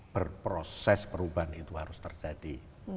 berproses perubahan itu harus terjadi